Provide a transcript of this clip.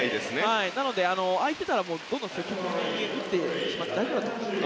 なので空いていたらどんどん積極的に打ってしまって大丈夫だと思います。